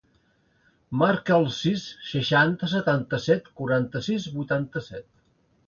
Marca el sis, seixanta, setanta-set, quaranta-sis, vuitanta-set.